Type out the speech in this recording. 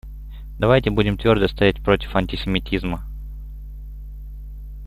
Давайте будем твердо стоять против антисемитизма.